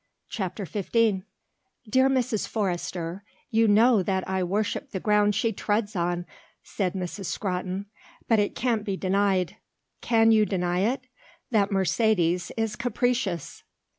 CHAPTER XV "Dear Mrs. Forrester, you know that I worship the ground she treads on," said Miss Scrotton; "but it can't be denied can you deny it? that Mercedes is capricious."